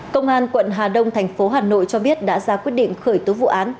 công an quận hà đông tp hcm cho biết đã ra quyết định khởi tố vụ án